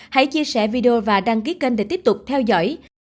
hãy chia sẻ video và đăng ký kênh để tiếp tục theo dõi